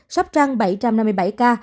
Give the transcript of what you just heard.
sắp trăng bảy trăm năm mươi bảy ca